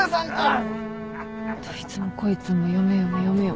どいつもこいつも嫁嫁嫁嫁。